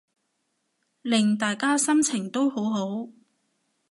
令大家心情都好好